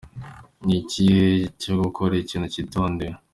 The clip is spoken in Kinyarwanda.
Ni igihe co gukora ikintu citondewe.